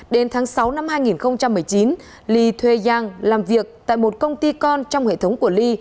đến tháng sáu năm hai nghìn một mươi chín ly thuê yang làm việc tại một công ty con trong hệ thống của ly